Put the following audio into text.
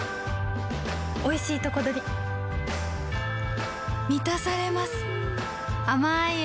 おいしいとこどりみたされます